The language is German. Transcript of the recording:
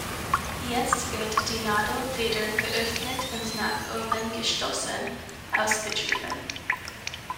Jetzt wird die Nadel wieder geöffnet und nach oben gestoßen, ausgetrieben.